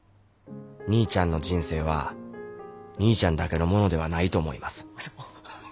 兄ちゃんの人生は兄ちゃんだけのものではないと思います。